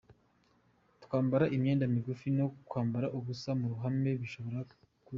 Kwambara imyenda migufi no kwambara ubusa mu ruhame bishobora kuregerwa.